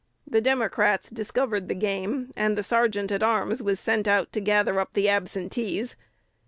The Democrats discovered the game, and the sergeant at arms was sent out to gather up the absentees.